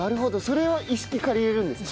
それを一式借りられるんですか？